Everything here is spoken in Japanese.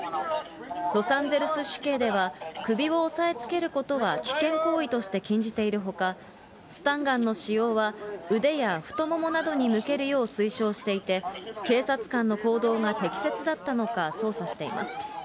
ロサンゼルス市警では、首を押さえつけることは危険行為として禁じているほか、スタンガンの使用は、腕や太ももなどに向けるよう推奨していて、警察官の行動が適切だったのか、捜査しています。